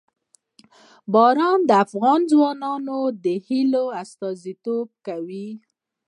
باران د افغان ځوانانو د هیلو استازیتوب کوي.